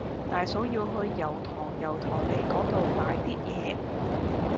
大嫂要去油塘油塘里嗰度買啲嘢